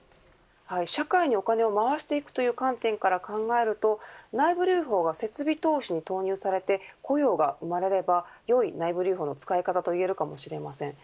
社会にお金を回していくという観点から考えると内部留保は設備投資に投入されて雇用が生まれれば、よい内部留保の使い方といえるかもしれません。